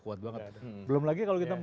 kuat banget belum lagi kalau kita